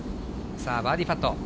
さあ、バーディーパット。